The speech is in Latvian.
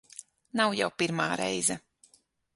Nav jau pirmā reize.